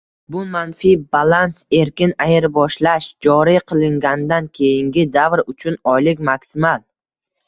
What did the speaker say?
Bu manfiy balans - erkin ayirboshlash joriy qilinganidan keyingi davr uchun oylik maksimal